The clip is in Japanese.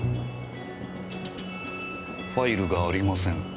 「ファイルがありません」